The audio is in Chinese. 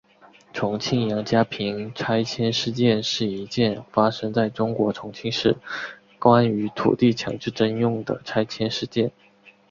重庆杨家坪拆迁事件是一件发生在中国重庆市关于土地强制征用的拆迁事件。